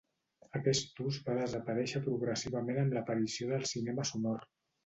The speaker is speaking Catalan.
Aquest ús va desaparèixer progressivament amb l'aparició del cinema sonor.